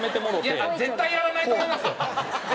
絶対やらないと思いますよ。